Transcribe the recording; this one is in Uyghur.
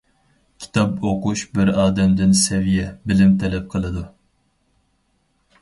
كىتاب ئوقۇش بىر ئادەمدىن سەۋىيە، بىلىم تەلەپ قىلىدۇ.